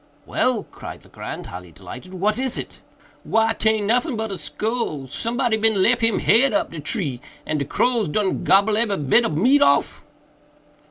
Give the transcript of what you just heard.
"Well!" cried Legrand, highly delighted, "what is it?" "Why taint noffin but a skull—somebody bin lef him head up de tree, and de crows done gobble ebery bit ob de meat off."